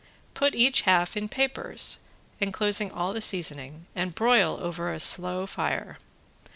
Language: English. Put each half in papers, enclosing all the seasoning and broil over a very slow fire.